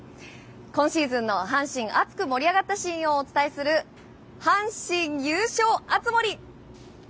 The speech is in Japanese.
今シーズンの阪神熱く盛り上がったシーンをお伝えする阪神優勝熱盛！